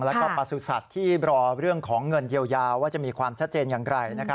แล้วก็ประสุทธิ์ที่รอเรื่องของเงินเยียวยาว่าจะมีความชัดเจนอย่างไร